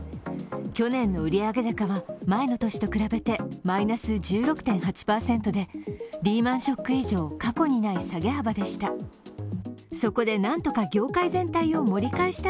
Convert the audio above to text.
去年の売上高は前の年と比べてマイナス１６．８％でリーマン・ショック以上、過去にない下げ幅でした。